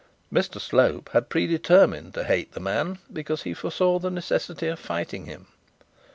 Mr Slope had predetermined to hate the man because he foresaw the necessity of fighting him.